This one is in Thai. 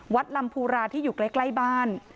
ลำพูราที่อยู่ใกล้บ้าน